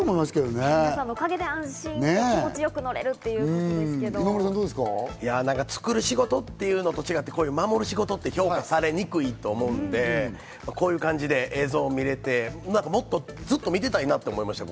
そのおかげで安心して気持ち作る仕事っていうのと違って、これは守る仕事って評価されにくいと思うので、こういう感じで映像が見れて、もっとずっと見ていたいなと思いました。